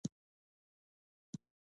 حکومت په تیره یوه لسیزه کې نږدې